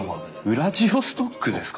ウラジオストックですか！？